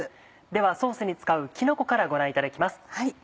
ではソースに使うきのこからご覧いただきます。